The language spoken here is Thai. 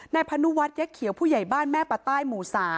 พนุวัฒนยะเขียวผู้ใหญ่บ้านแม่ปะใต้หมู่๓